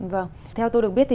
vâng theo tôi được biết thì